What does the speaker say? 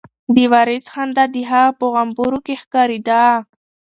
د وارث خندا د هغه په غومبورو کې ښکارېده.